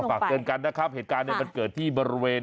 มาฝากเกิดการณ์นะครับเหตุการณ์มันเกิดที่บริเวณ